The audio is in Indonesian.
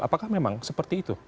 apakah memang seperti itu